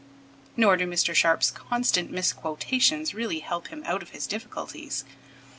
Nor do Mr. Sharp's constant misquotations really help him out of his difficulties.